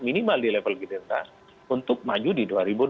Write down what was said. minimal di level gerindra untuk maju di dua ribu dua puluh